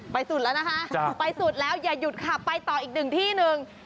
สุดแล้วนะคะไปสุดแล้วอย่าหยุดค่ะไปต่ออีกหนึ่งที่หนึ่ง